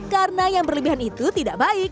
karena yang berlebihan itu tidak baik